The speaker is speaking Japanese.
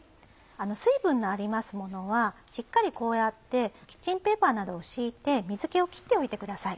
水分のありますものはしっかりこうやってキッチンペーパーなどを敷いて水気を切っておいてください。